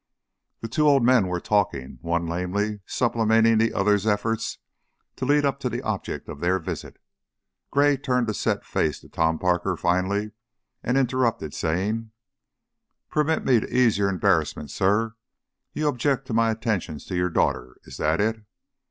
The two old men were talking, one lamely supplementing the other's efforts to lead up to the object of their visit. Gray turned a set face to Tom Parker finally, and interrupted by saying: "Permit me to ease your embarrassment, sir. You object to my attentions to your daughter. Is that it?"